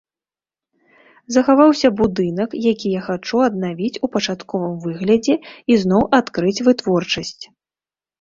Захаваўся будынак, які я хачу аднавіць у пачатковым выглядзе і зноў адкрыць вытворчасць.